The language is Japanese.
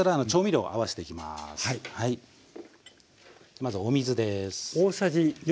まずお水です。